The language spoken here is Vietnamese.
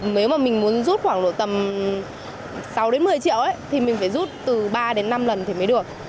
nếu mà mình muốn rút khoảng tầm sáu một mươi triệu thì mình phải rút từ ba năm lần mới được